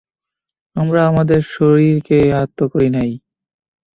আমরা আমাদের শরীরকে আয়ত্ত করি নাই।